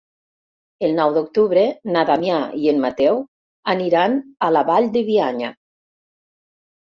El nou d'octubre na Damià i en Mateu aniran a la Vall de Bianya.